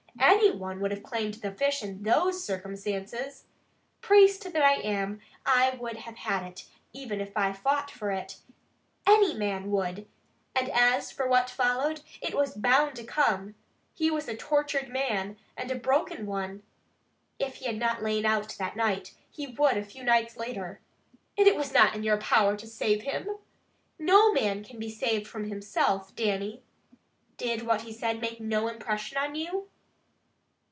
Any one would have claimed the fish in those circumstances. Priest that I am, I would have had it, even if I fought for it. Any man would! And as for what followed, it was bound to come! He was a tortured man, and a broken one. If he had not lain out that night, he would a few nights later. It was not in your power to save him. No man can be saved from himself, Dannie. Did what he said make no impression on you?"